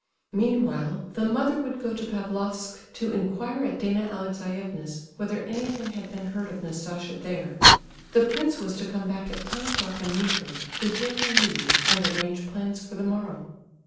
Meanwhile, the mother would go to Pavlofsk to inquire at Dana Alexeyevna's whether anything had been heard of Nastasia there. The prince was to come back at ten o'clock and meet her, to hear her news and arrange plans for the morrow.